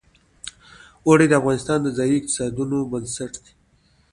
اوړي د افغانستان د ځایي اقتصادونو بنسټ دی.